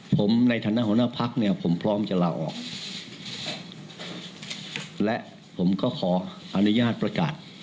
ผมในฐานะหัวหน้าพักเนี่ยผมพร้อมจะลาออกและผมก็ขออนุญาตประกาศ